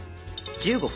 １５分。